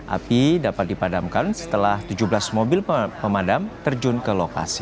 api dapat dipadamkan setelah tujuh belas mobil pemadam terjun ke lokasi